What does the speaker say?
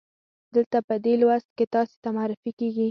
دلته په دې لوست کې تاسې ته معرفي کیږي.